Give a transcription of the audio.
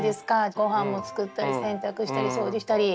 ごはんもつくったり洗濯したり掃除したり。